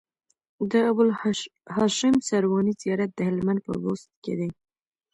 د ابوالهاشم سرواني زيارت د هلمند په بست کی دی